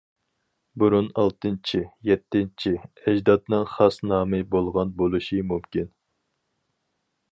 بۇرۇن ئالتىنچى، يەتتىنچى ئەجدادنىڭ خاس نامى بولغان بولۇشى مۇمكىن.